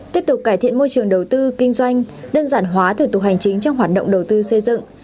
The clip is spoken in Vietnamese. tiếp tục cải thiện môi trường đầu tư kinh doanh đơn giản hóa thủ tục hành chính trong hoạt động đầu tư xây dựng